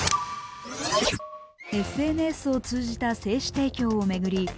ＳＮＳを通じた精子提供を巡り